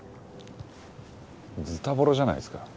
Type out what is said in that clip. ズタボロじゃないですか。